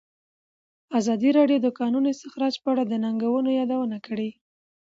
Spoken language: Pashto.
ازادي راډیو د د کانونو استخراج په اړه د ننګونو یادونه کړې.